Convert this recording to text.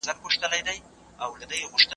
هغه د اولادونو لپاره د روزۍ لارې برابرې کوي.